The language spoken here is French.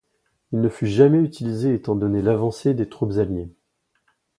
Il ne fut jamais utilisé étant donnée l'avancée des troupes alliées.